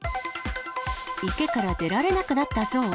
池から出られなくなったゾウ。